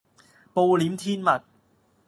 暴殄天物